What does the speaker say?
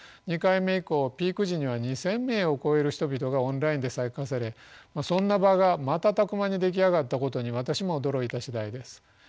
２回目以降ピーク時には２，０００名を超える人々がオンラインで参加されそんな場が瞬く間に出来上がったことに私も驚いた次第です。